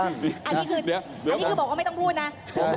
อันนี้คือบอกว่าไม่ต้องพูดนะ